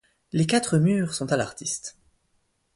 Les quatre murs sont à l'artiste.